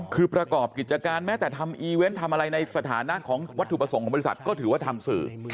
คือประกอบกิจการแม้แต่ทำอีเวนต์ทำอะไรในสถานะของวัตถุประสงค์ของบริษัทก็ถือว่าทำสื่อ